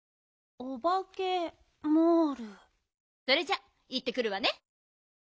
それじゃあいってくるわね。